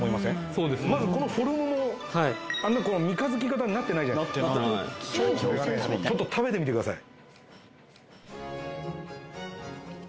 そうですねまずこのフォルムもあんな三日月形になってないじゃないですかちょっと食べてみてください